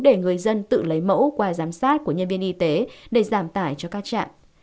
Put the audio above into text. để người dân tự lấy mẫu qua giám sát của nhân viên y tế để giảm tải cho các trạm